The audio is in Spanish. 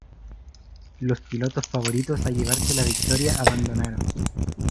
Los pilotos favoritos a llevarse la victoria abandonaron.